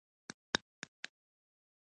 خو د دوي مخالفينو د دوي د لبرل